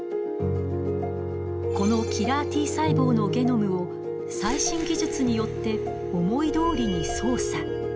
このキラーＴ細胞のゲノムを最新技術によって思いどおりに操作。